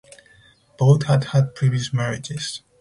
Both had had previous marriages.